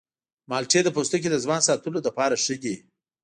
مالټې د پوستکي د ځوان ساتلو لپاره ښه دي.